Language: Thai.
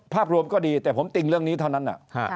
ภาพรวมก็ดีแต่ผมติ่งเรื่องนี้เท่านั้น